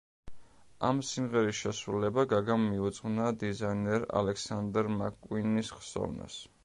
ამ სიმღერის შესრულება გაგამ მიუძღვნა დიზაინერ ალექსანდრ მაკ-კუინის ხსოვნას.